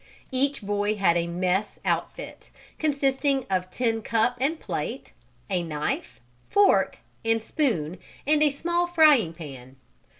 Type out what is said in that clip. Each boy had a "mess" outfit, consisting of tin cup and plate, a knife, fork and spoon and a small frying pan.